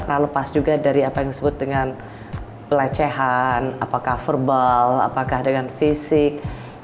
pernah lepas juga dari apa yang disebut dengan pelecehan apakah verbal apakah dengan fisik